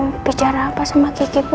ibu mau bicara apa sama kiki ibu